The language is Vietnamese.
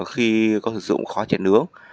khi có sử dụng khó chịt nướng